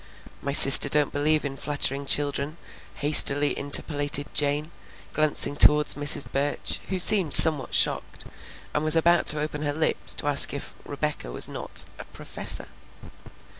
"My sister don't believe in flattering children," hastily interpolated Jane, glancing toward Mrs. Burch, who seemed somewhat shocked, and was about to open her lips to ask if Rebecca was not a "professor."